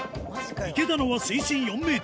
行けたのは水深４ｍ